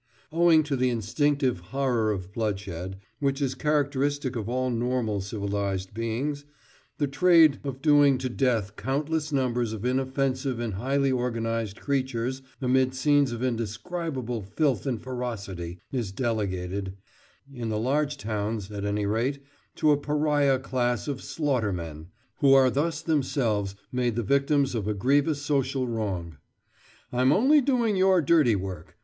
Owing to the instinctive horror of bloodshed, which is characteristic of all normal civilised beings, the trade of doing to death countless numbers of inoffensive and highly organised creatures amid scenes of indescribable filth and ferocity is delegated—in the large towns, at any rate—to a pariah class of "slaughtermen," who are thus themselves made the victims of a grievous social wrong. "I'm only doing your dirty work.